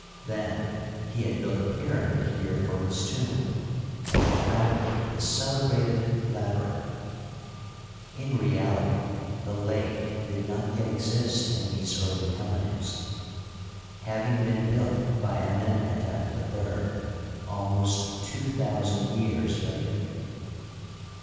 Then he had built a pyramid here for his tomb, and had founded the celebrated lab)rrinth. In reality the " lake " did not yet exist in these early times, having been built by Amenhetep HI almost two thousand years later.